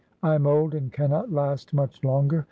I am old. and cannot last much longer.